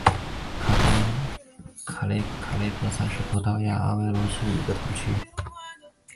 卡雷戈萨是葡萄牙阿威罗区的一个堂区。